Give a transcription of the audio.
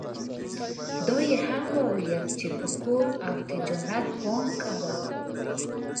دا يې هم وويل چې پر کور او تجارت پام کوه.